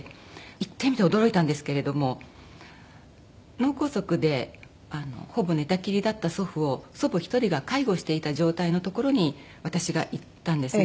行ってみて驚いたんですけれども脳梗塞でほぼ寝たきりだった祖父を祖母１人が介護していた状態のところに私が行ったんですね。